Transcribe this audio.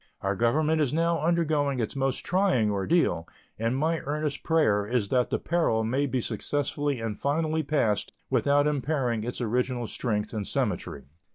Our Government is now undergoing its most trying ordeal, and my earnest prayer is that the peril may be successfully and finally passed without impairing its original strength and symmetry.